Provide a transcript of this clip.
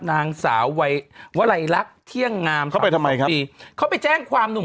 นางสาววัยวลัยลักษณ์เที่ยงงามเข้าไปทำไมครับดีเขาไปแจ้งความหนุ่ม